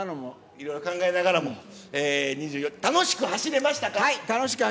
いろいろ考えながらも、はい、楽しく走れました！